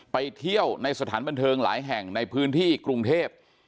ไปเที่ยวในสถานบันเทิงหลายแห่งในพื้นที่กรุงเทพ